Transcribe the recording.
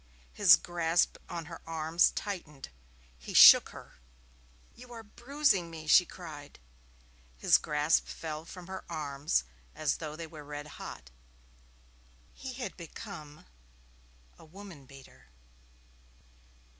His grasp on her arms tightened. He shook her. 'You are bruising me,' she cried. His grasp fell from her arms as though they were red hot. He had become a woman beater.